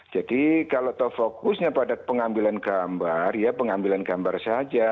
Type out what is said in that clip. jadi kalau fokusnya pada pengambilan gambar ya pengambilan gambar saja